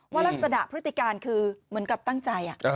ลักษณะพฤติการคือเหมือนกับตั้งใจ